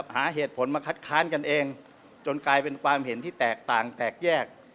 หาเหตุผลมาคัดค้านกันเองจนกลายเป็นความเห็นที่แตกต่างแตกแยก